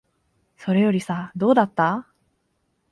それよりさ、どうだった？